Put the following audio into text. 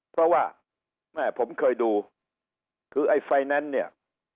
เพราะว่าแม่ผมเคยดูคือไอ้ไฟแนนซ์เนี่ย